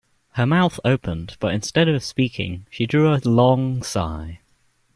Her mouth opened, but instead of speaking she drew a long sigh.